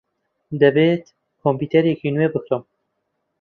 دەبێت کۆمپیوتەرێکی نوێ بکڕم.